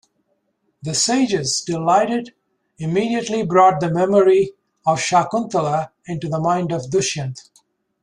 The sages, delighted, immediately brought the memory of Shakuntala into the mind of Dushyant.